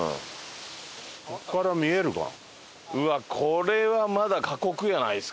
うわっこれはまだ過酷じゃないですか？